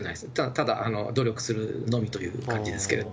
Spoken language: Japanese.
ただ努力するのみという感じですけれども。